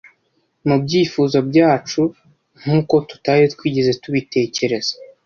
Mubyifuzo byacu, nkuko tutari twigeze tubitekereza